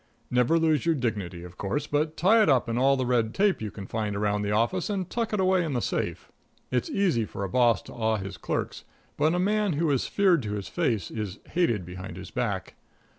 Never lose your dignity, of course, but tie it up in all the red tape you can find around the office, and tuck it away in the safe. It's easy for a boss to awe his clerks, but a man who is feared to his face is hated behind his back.